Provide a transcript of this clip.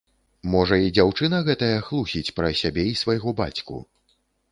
Можа і дзяўчына гэтая хлусіць пра сябе і свайго бацьку.